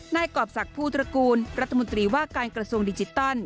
กรอบศักดิ์ภูตระกูลรัฐมนตรีว่าการกระทรวงดิจิตอล